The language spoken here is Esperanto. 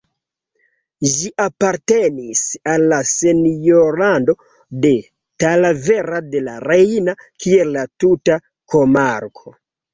Ĝi apartenis al la senjorlando de Talavera de la Reina, kiel la tuta komarko.